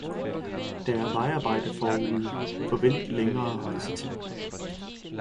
Der er vejarbejde forude – forvent forlænget rejsetid.